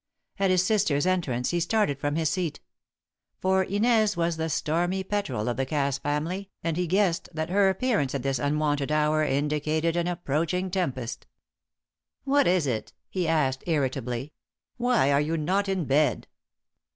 At his sister's entrance he started from his seat. For Inez was the stormy petrel of the Cass family, and he guessed that her appearance at this unwonted hour indicated an approaching tempest. "What is it?" he asked, irritably. "Why are you not in bed?"